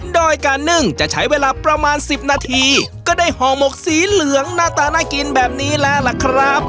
โดยการนึ่งจะใช้เวลาประมาณ๑๐นาทีก็ได้ห่อหมกสีเหลืองหน้าตาน่ากินแบบนี้แล้วล่ะครับ